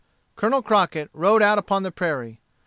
Colonel Crockett rode out upon the prairie.